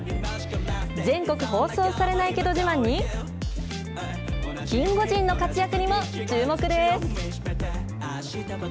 全国放送されないけど自慢に、キンゴジンの活躍にも注目です。